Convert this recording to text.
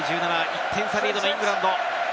１点差リードのイングランド。